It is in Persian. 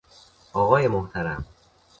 آقای محترم